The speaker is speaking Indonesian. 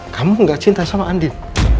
kamu gak cinta sama andin